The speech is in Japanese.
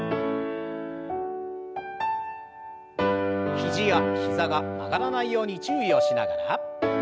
肘や膝が曲がらないように注意をしながら。